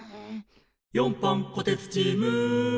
「４班こてつチーム」